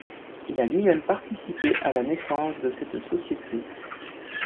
Il a lui-même participé à la naissance de cette société.